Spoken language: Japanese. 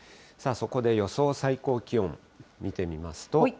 そこで予想最高気温見てみますと。